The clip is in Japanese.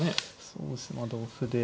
そうですねまあ同歩で。